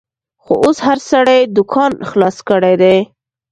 خو اوس هر سړي دوکان خلاص کړیدی